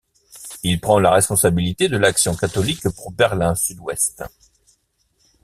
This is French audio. Il prend la responsabilité de l'action catholique pour Berlin-Sud-Ouest.